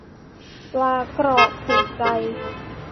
ปลากรอบถูกใจ